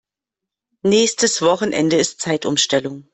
Nächstes Wochenende ist Zeitumstellung.